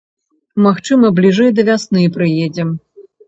Магчыма, бліжэй да вясны прыедзем.